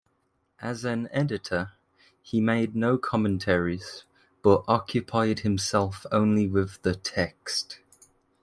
As an editor, he made no commentaries, but occupied himself only with the text.